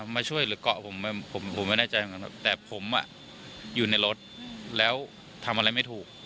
มาช่วยหรือกล่อผมผมไม่แน่ใจแต่ผมอยู่ในรถแล้วทำอะไรไม่ถูก